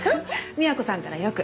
美和子さんからよく。